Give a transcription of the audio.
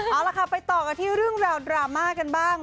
เอาล่ะค่ะไปต่อกันที่เรื่องราวดราม่ากันบ้าง